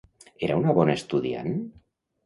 Era una bona estudiant?